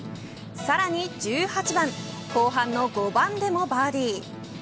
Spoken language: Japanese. さらに１８番後半の５番でもバーディー。